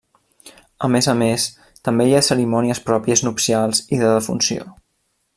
A més a més també hi ha cerimònies pròpies nupcials i de defunció.